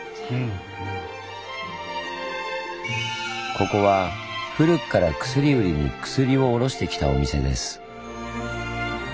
ここは古くから薬売りに薬を卸してきたお店です。